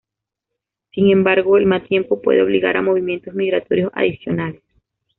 Sin embargo, el mal tiempo puede obligar a movimientos migratorios adicionales.